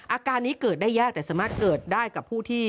อาการนี้เกิดได้ยากแต่สามารถเกิดได้กับผู้ที่